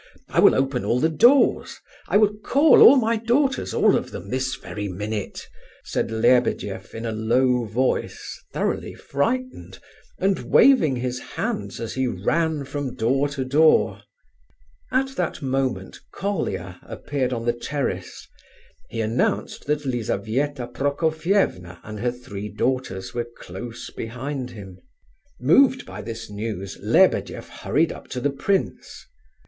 I will open all the doors; I will call all my daughters, all of them, this very minute," said Lebedeff in a low voice, thoroughly frightened, and waving his hands as he ran from door to door. At that moment Colia appeared on the terrace; he announced that Lizabetha Prokofievna and her three daughters were close behind him. Moved by this news, Lebedeff hurried up to the prince.